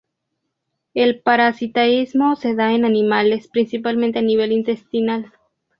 El parasitismo se da en animales, principalmente a nivel intestinal.